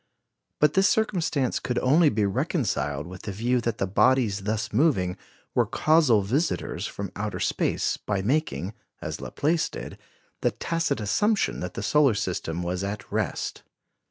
But this circumstance could only be reconciled with the view that the bodies thus moving were casual visitors from outer space, by making, as Laplace did, the tacit assumption that the solar system was at rest.